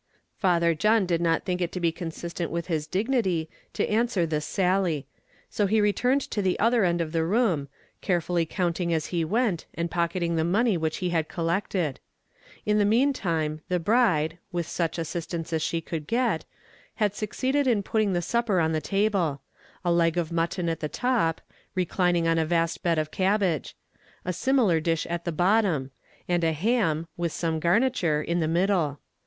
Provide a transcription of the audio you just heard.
Father John did not think it to be consistent with his dignity to answer this sally; so he returned to the other end of the room, carefully counting as he went, and pocketing the money which he had collected. In the meantime the bride, with such assistance as she could get, had succeeded in putting the supper on the table: a leg of mutton at the top, reclining on a vast bed of cabbage; a similar dish at the bottom; and a ham, with the same garniture, in the middle.